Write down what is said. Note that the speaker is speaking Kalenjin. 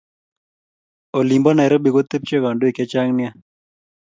Olinbo Nairobi kotepche kandoik chechang nea